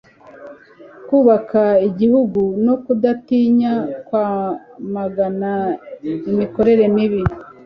kubaka igihugu no kudatinya kwamagana imikorere mibi